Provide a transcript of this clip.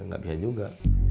gak bisa juga